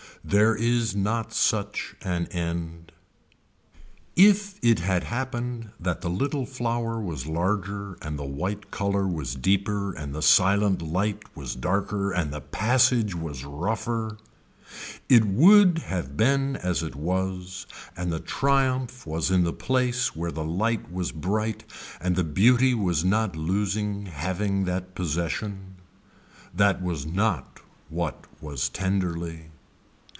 There is not such an end. If it had happened that the little flower was larger and the white color was deeper and the silent light was darker and the passsage was rougher it would have been as it was and the triumph was in the place where the light was bright and the beauty was not losing having that possession. That was not what was tenderly.